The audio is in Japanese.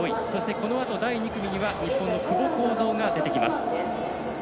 このあと第２組には日本の久保恒造が出てきます。